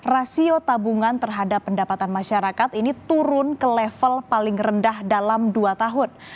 rasio tabungan terhadap pendapatan masyarakat ini turun ke level paling rendah dalam dua tahun